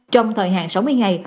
trong thời hạn sáu mươi ngày